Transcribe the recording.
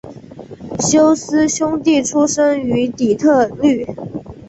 休斯兄弟出生于底特律。